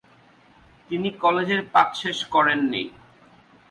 তিনি কলেজের পাঠ শেষ করেননি।